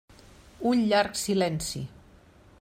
Un llarg silenci.